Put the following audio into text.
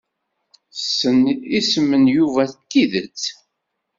Tessen isem n Yuba n tidet?